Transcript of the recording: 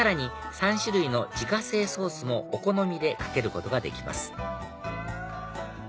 ３種類の自家製ソースもお好みでかけることができます